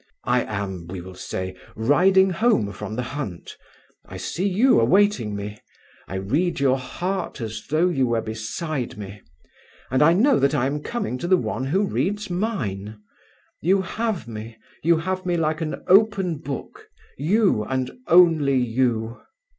I am, we will say, riding home from the hunt: I see you awaiting me: I read your heart as though you were beside me. And I know that I am coming to the one who reads mine! You have me, you have me like an open book, you, and only you!"